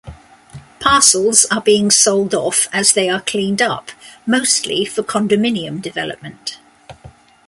Parcels are being sold off as they are cleaned up, mostly for condominium development.